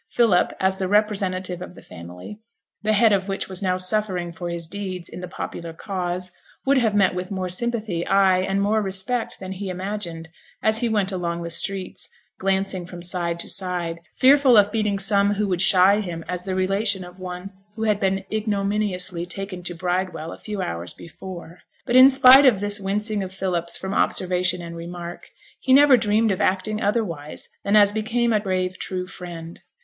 Philip, as the representative of the family, the head of which was now suffering for his deeds in the popular cause, would have met with more sympathy, ay, and more respect than he imagined, as he went along the streets, glancing from side to side, fearful of meeting some who would shy him as the relation of one who had been ignominiously taken to Bridewell a few hours before. But in spite of this wincing of Philip's from observation and remark, he never dreamed of acting otherwise than as became a brave true friend.